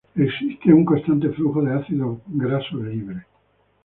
Existe un constante flujo de ácidos grasos libres.